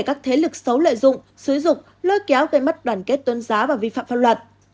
các thế lực xấu lợi dụng xúi dục lôi kéo gây mất đoàn kết tôn giáo và vi phạm pháp luật